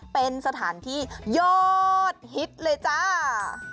เป็นสถานที่ยอดฮิตเลยจ้า